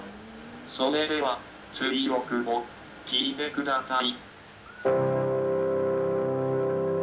それでは追憶を聴いてください。